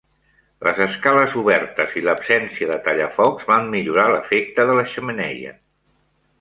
Les escales obertes i l'absència de tallafocs van millorar l'efecte de la xemeneia.